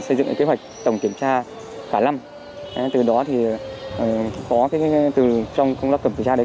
xây dựng kế hoạch tổng kiểm tra cả năm từ đó thì có từ trong công tác tổng kiểm tra đấy